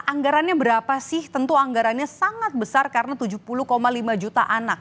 anggarannya berapa sih tentu anggarannya sangat besar karena tujuh puluh lima juta anak